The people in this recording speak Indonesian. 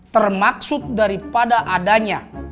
termaksud daripada adanya